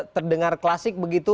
terdengar klasik begitu